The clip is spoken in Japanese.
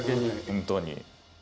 本当に。